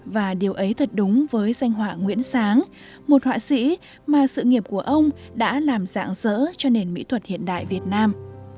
và điều ấy thật đúng với danh họa nguyễn sáng một họa sĩ mà sự nghiệp của ông đã làm dạng dỡ cho nền mỹ thuật hiện đại việt nam